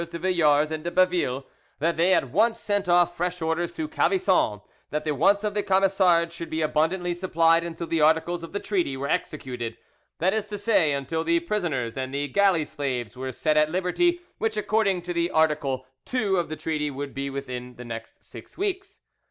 de Villars and de Baville, that they at once sent off fresh orders to Calvisson that the wants of the Camisards should be abundantly supplied until the articles of the treaty were executed—that is to say, until the prisoners and the galley slaves were set at liberty, which, according to article 2 of the treaty, would be within the next six weeks.